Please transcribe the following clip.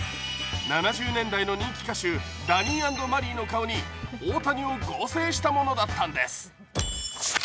７０年代の人気歌手ダニー＆マリーの顔に大谷を合成したものだったんです。